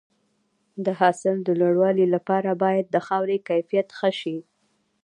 د حاصل د لوړوالي لپاره باید د خاورې کیفیت ښه شي.